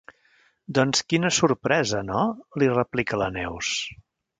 Doncs quina sorpresa, no? —li replica la Neus.